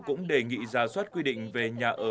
cũng đề nghị ra soát quy định về nhà ở